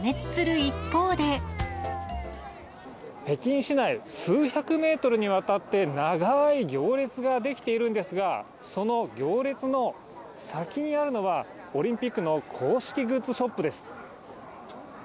北京市内、数百メートルにわたって長い行列が出来ているんですが、その行列の先にあるのは、オリンピックの公式グッズショップです。